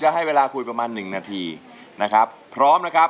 จอบซูมชื่นสมชื่นเพลง